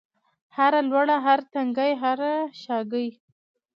هره لوړه، هر تنګی هره شاګۍ